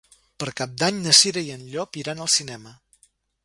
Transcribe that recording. Per Cap d'Any na Cira i en Llop iran al cinema.